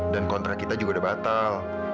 dan kontrak kita juga udah batal